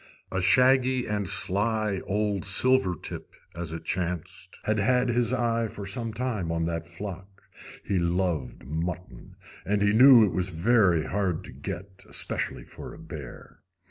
A shaggy and sly old "silver tip," as it chanced, had had his eye for some time on that flock. He loved mutton, and he knew it was very hard to get, especially for a bear.